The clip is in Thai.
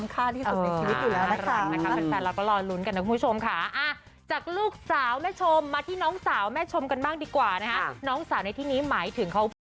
ก็รอลุ้นกันนะคุณผู้ชมค่ะจากลูกสาวแม่ชมมาที่น้องสาวแม่ชมกันบ้างดีกว่านะน้องสาวในที่นี้หมายถึงเขา